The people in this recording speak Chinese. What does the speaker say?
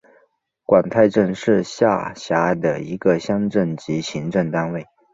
广太镇是下辖的一个乡镇级行政单位。